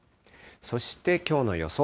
そしてきょうの予想